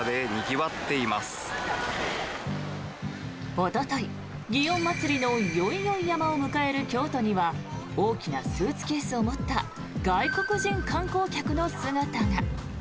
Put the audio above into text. おととい、祇園祭の宵々山を迎える京都には大きなスーツケースを持った外国人観光客の姿が。